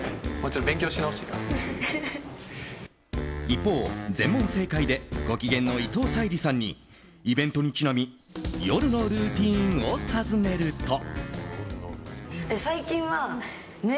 一方、全問正解でご機嫌の伊藤沙莉さんにイベントにちなみ夜のルーティンを尋ねると。